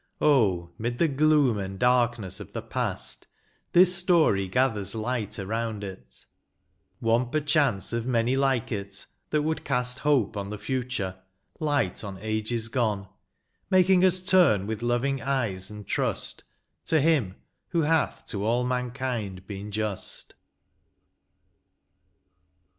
Oh, 'mid the gloom and darkness of the past, This story gathers light around it, — one Perchance of many like it, that would cast Hope on the future, light on ages gone. Making us turn with loving eyes, and trust, To Him, who hath to all mankind been just.